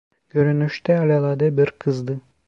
Görünüşte alelade bir kızdı.